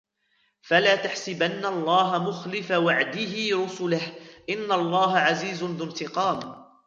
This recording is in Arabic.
فلا تحسبن الله مخلف وعده رسله إن الله عزيز ذو انتقام